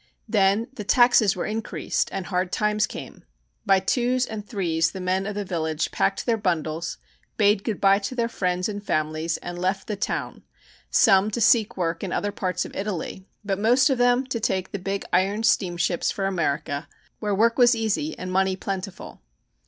Then the taxes were increased and hard times came. By twos and threes the men of the village packed their bundles, bade good by to their friends and families, and left the town, some to seek work in other parts of Italy, but most of them to take the big iron steamships for America, where work was easy and money plentiful.